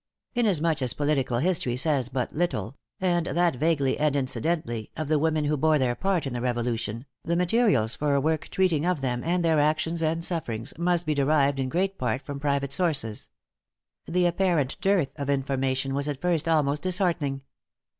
Inasmuch as political history says but little and that vaguely and incidentally of the Women who bore their part in the Revolution, the materials for a work treating of them and their actions and sufferings, must be derived in great part from private sources. The apparent dearth of information was at first almost disheartening.